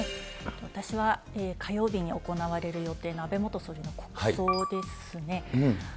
私は火曜日に行われる予定の安倍元総理の国葬ですね。